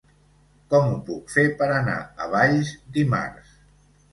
Com ho puc fer per anar a Valls dimarts?